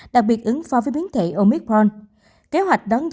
đặc biệt ứng phong với biến thể omicron